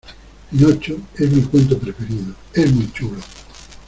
pinocho. es mi cuento preferido . es muy chulo .